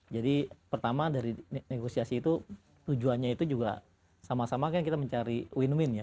jadi pertama dari negosiasi itu tujuannya itu juga sama sama kan kita mencari win win ya